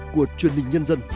của truyền hình nhân dân